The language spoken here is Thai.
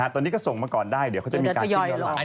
ตอนนี้ก็ส่งมาก่อนได้เดี๋ยวเขาก็จะมีการพิวร์นให้